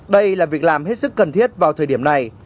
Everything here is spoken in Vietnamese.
đây là việc làm hết sức cần thiết vào thời điểm này